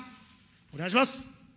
お願いします。